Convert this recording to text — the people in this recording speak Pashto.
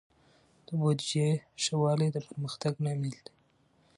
د بودیجې ښه والی د پرمختګ لامل دی.